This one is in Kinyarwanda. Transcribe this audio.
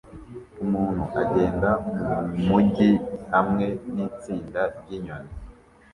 Umuntu agenda mumujyi hamwe nitsinda ryinyoni